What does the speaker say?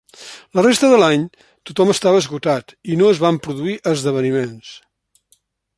La resta de l'any tothom estava esgotat i no es van produir esdeveniments.